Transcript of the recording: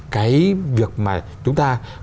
cái việc mà chúng ta